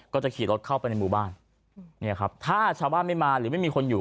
ก็จะขี่รถเข้าไปในหมู่บ้านเนี่ยครับถ้าชาวบ้านไม่มาหรือไม่มีคนอยู่